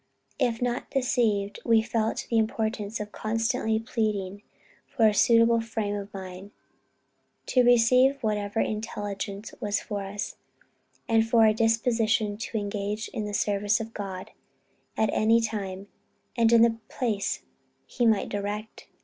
If not deceived, we felt the importance of constantly pleading for a suitable frame of mind, to receive whatever intelligence was for us; and for a disposition to engage in the service of God, at any time, and in any place he might direct.